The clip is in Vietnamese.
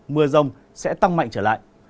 mưa rông sẽ tăng mạnh trở lại